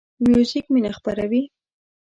موزیک مینه خپروي.